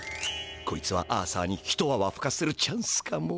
こいつはアーサーにひとあわふかせるチャンスかも。